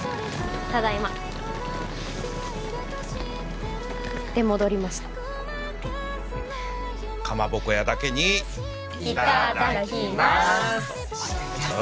ただいま出戻りましたかまぼこ屋だけにいただきます